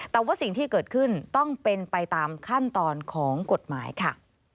แต่ว่าสิ่งที่เกิดขึ้นต้องเป็นไปตามขั้นตอนของกฎหมายค่ะ